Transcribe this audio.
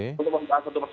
tidak ada kewajiban mas